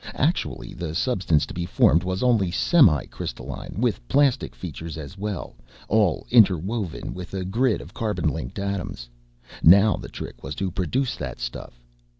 Actually, the substance to be formed was only semi crystalline, with plastic features as well, all interwoven with a grid of carbon linked atoms. Now the trick was to produce that stuff.